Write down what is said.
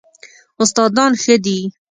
استادان ښه دي؟